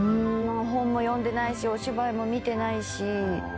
本も読んでないしお芝居も見てないし。